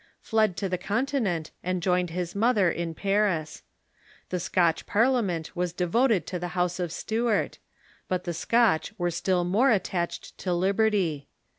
fled to the Continent, and joined his mother in Paris, The Scotch Par liament was devoted to the house of Stuart, but the Scotch were still more attached to liberty.